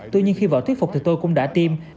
tuy nhiên khi vào thuyết phục thì tôi cũng đã tiêm